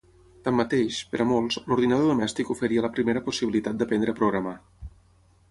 Tanmateix, per a molts, l'ordinador domèstic oferia la primera possibilitat d'aprendre a programar.